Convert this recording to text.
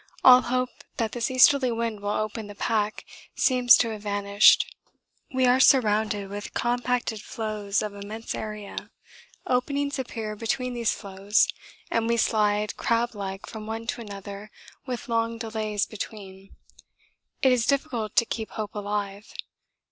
All hope that this easterly wind will open the pack seems to have vanished. We are surrounded with compacted floes of immense area. Openings appear between these floes and we slide crab like from one to another with long delays between. It is difficult to keep hope alive.